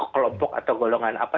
kelompok atau golongan apa